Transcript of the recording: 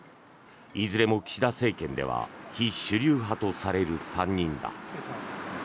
いずれも岸田政権では非主流派とされる３人だ。